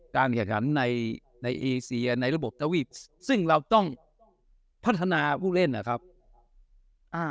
การแข่งขันในในในระบบตะวิบซึ่งเราต้องพัฒนาผู้เล่นอะครับอ่า